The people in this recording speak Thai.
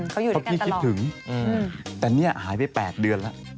เขาอยู่ด้วยกันตลอดพี่คิดถึงแต่นี่หายไป๘เดือนละ